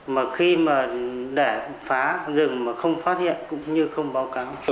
mà khi mà để phá rừng mà không phát hiện cũng như không báo cáo